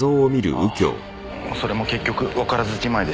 ああそれも結局わからずじまいでしたね。